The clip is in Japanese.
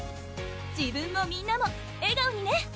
自分もみんなも笑顔にね！